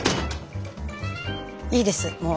いいですもう。